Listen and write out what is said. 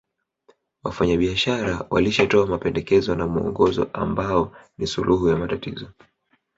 Wafanyabiashara walishatoa mapendekezo na muongozo ambao ni suluhu ya matatizo